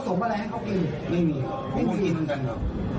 นองก็กินเหมือนกัน